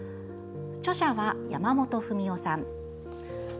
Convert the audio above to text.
著者は山本文緒さん。